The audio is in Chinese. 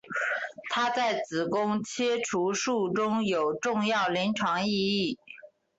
它在子宫切除术中有重要临床意义。